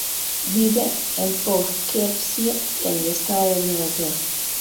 Vive en Poughkeepsie, en el estado de Nueva York.